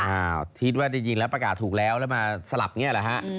อ้าวทิศว่าจริงแล้วประกาศถูกแล้วแล้วมาสลับเนี่ยเหรอฮะ